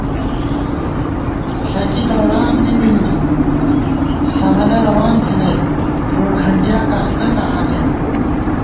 ݪَکی دوران دِتِنی سَمَلہ روان تھنَئیت گورکھنٹیاکاں کسہ آنېمہ